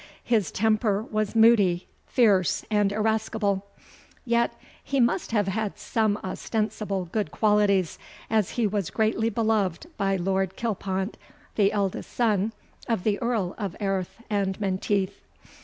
His temper was moody, fierce, and irascible; yet he must have had some ostensible good qualities, as he was greatly beloved by Lord Kilpont, the eldest son of the Earl of Airth and Menteith.